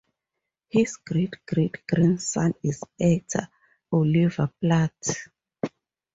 His great-great-grandson is actor Oliver Platt.